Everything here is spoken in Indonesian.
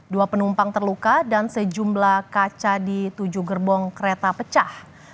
dua penumpang terluka dan sejumlah kaca di tujuh gerbong kereta pecah